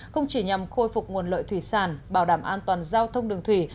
không chỉ nhằm khôi phục nguồn lợi thủy sản bảo đảm an toàn giao thông đường thủy